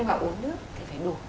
nhưng mà uống nước thì phải đủ